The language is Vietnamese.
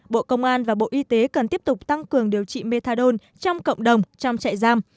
bộ công an và bộ y tế cần tiếp tục tăng cường điều trị methadone trong cộng đồng trong trại giam